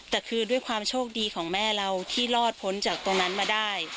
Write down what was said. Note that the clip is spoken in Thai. แต่คือด้วยความโชคดีของแม่เราที่รอดพ้นจากตรงนั้นมาได้